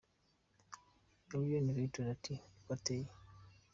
Elion Victory ati: Ni uko ateye.